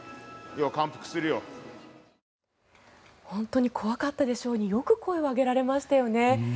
本当に怖かったでしょうによく声を上げられましたよね。